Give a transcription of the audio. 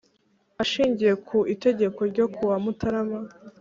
Ashingiye ku Itegeko ryo kuwa mutarama